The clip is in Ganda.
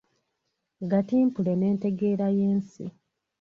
Gatimpule n’entegeera y’ensi: